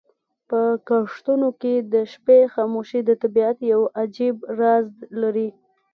په کښتونو کې د شپې خاموشي د طبیعت یو عجیب راز لري.